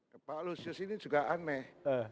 pak alusius ini juga aneh